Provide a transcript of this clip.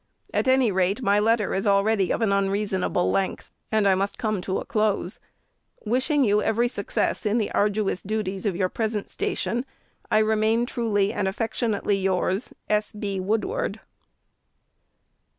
At any rate, my letter is already of an unreasonable length, and I must come to a close. Wishing you every success in the arduous duties of your present station, I remain truly and afleutionutely yours, S. B. WOODWARD.